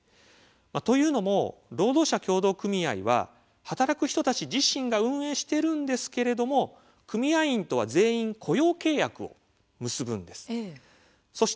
というのも労働者協同組合は働く人たち自身が運営しているんですけれども組合員とは全員雇用契約を結ぶんです。